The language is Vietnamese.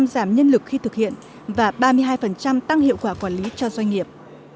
ba mươi năm giảm nhân lực khi thực hiện và ba mươi hai tăng hiệu quả quản lý cho doanh nghiệp